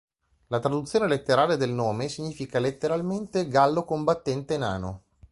La traduzione letterale del nome significa letteralmente gallo combattente nano.